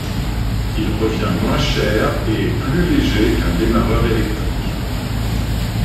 Il revient moins cher et est plus léger qu'un démarreur électrique.